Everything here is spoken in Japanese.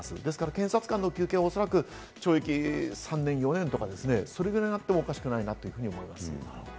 検察官の求刑はおそらく懲役３年、４年とか、それぐらいあってもおかしくないなと思います。